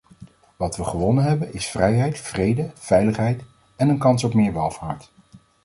Wat we gewonnen hebben is vrijheid, vrede, veiligheid en een kans op meer welvaart.